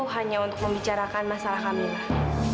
hanya untuk membicarakan masalah kami lah